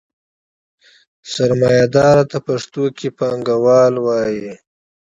سرمایهداري ته پښتو کې پانګواله وایي.